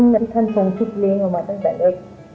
ที่ท่านทรงชุดเลี้ยงมามาตั้งแต่เล็ก